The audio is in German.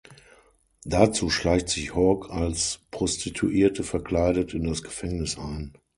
Dazu schleicht sich Hawk als Prostituierte verkleidet in das Gefängnis ein.